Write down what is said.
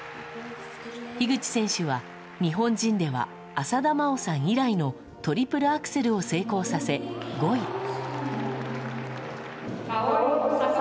樋口選手は日本人では浅田真央さん以来のトリプルアクセルを成功させ５位。